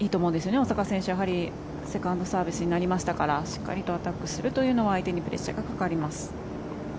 大坂選手、やはりセカンドサービスになりましたからしっかりとアタックするというのは相手にプレッシャーがかかります。